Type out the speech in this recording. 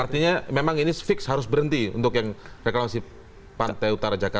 artinya memang ini fix harus berhenti untuk yang reklamasi pantai utara jakarta